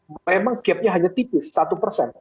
memang gap nya hanya tipis satu persen